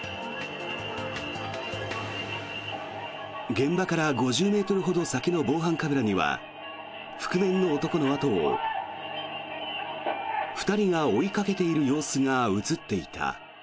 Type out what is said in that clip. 現場から５０ｍほど先の防犯カメラには覆面の男の後を２人が追いかけている様子が映っていた。